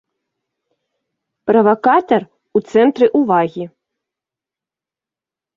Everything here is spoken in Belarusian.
Правакатар у цэнтры ўвагі.